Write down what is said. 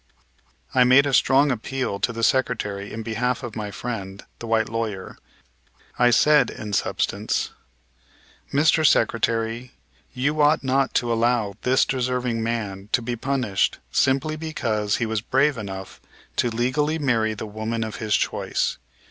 I made a strong appeal to the Secretary in behalf of my friend, the white lawyer. I said in substance: "Mr. Secretary, you ought not to allow this deserving man to be punished simply because he was brave enough to legally marry the woman of his choice.